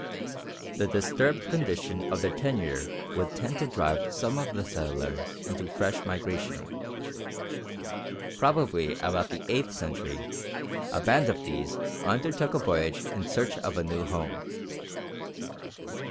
The disturbed condition of their tenure would tend to drive some of the settlers into fresh migration. Probably about the eighth century a band of these undertook a voyage in search of a new home.